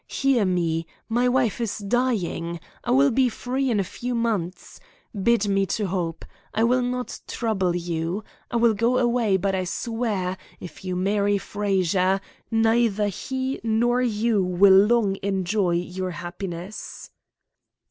Hear me. My wife is dying. I will be free in a few months. Bid me to hope. I will not trouble you. I will go away, but I swear, if you marry Frazer, neither he nor you will long enjoy your happiness!"